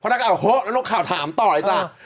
พอนักการณ์โฮะแล้วต้องข่าวถามต่อเลยจ้ะ